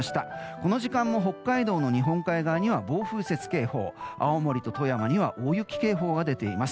この時間も北海道の日本海側には暴風雪警報青森と富山には大雪警報が出ています。